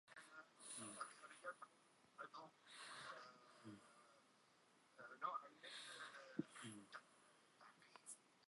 شەوێک لە نزیک سنووری ترکان ماین